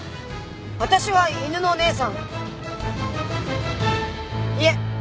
私は犬のお姉さんいえ！